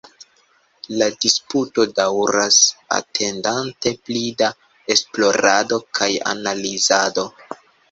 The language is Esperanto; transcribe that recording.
La disputo daŭras, atendante pli da esplorado kaj analizado.